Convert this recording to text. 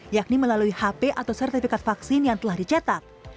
yakni melalui hp atau sertifikat vaksin yang telah dicetak